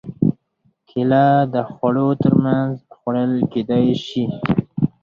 کېله د خوړو تر منځ خوړل کېدای شي.